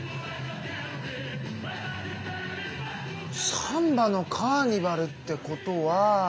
サンバのカーニバルってことは。